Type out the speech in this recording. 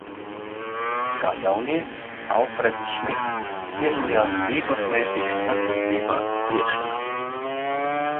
Kā jaunietis Alfreds Šmits piedalījās vieglatlētikas sacensībās skriešanā.